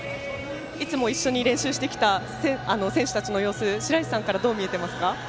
いつも一緒に練習してきた選手たちの様子しらいしさんからどう見えていますか。